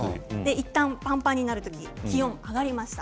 いったん、パンパンになると気温が上がりました。